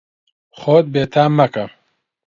خۆت بێتام مەکە.